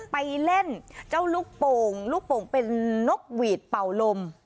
ไปเล่นเจ้าลูกโป่งลูกโป่งเป็นนกหวีดเป่าลม